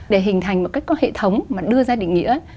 để hình thành một cái hệ thống mà đưa ra định nghĩa